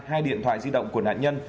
hai điện thoại di động của nạn nhân